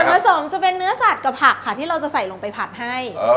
ส่วนผสมจะเป็นเนื้อสัตว์กับผักค่ะที่เราจะใส่ลงไปผัดให้